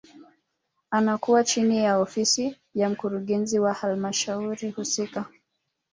Anakuwa chini ya ofisi ya mkurugenzi wa halmashauri husika